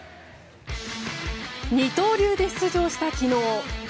二刀流で出場した昨日。